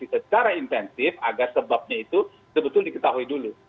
secara intensif agar sebabnya itu sebetulnya diketahui dulu